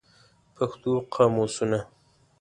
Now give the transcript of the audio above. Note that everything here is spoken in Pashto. پښتو قاموسونه